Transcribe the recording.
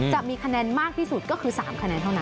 จะมีคะแนนมากที่สุดก็คือ๓คะแนนเท่านั้น